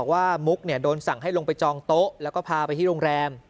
มุกโดนสั่งให้ลงไปจองโต๊ะแล้วก็พาไปที่โรงแรม